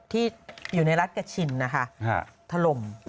ที่อยู่ในรัฐกระชินนะคะถล่ม